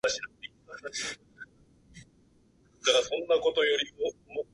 明日明後日しあさって